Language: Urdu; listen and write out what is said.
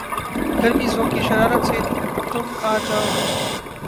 گرمیِ ذوقِ شرارت سے تُم آؤ جاؤ